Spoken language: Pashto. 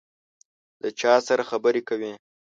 د چا سره خبري کوې ؟